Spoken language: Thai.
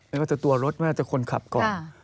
ไม่ว่าจะตัวรถไม่ว่าจะคนขับก่อน